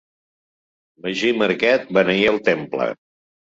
Magí Marquet, beneí el temple.